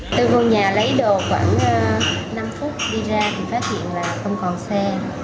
tôi vô nhà lấy đồ khoảng năm phút đi ra thì phát hiện là không còn xe